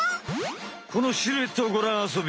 このシルエットをごらんあそべ。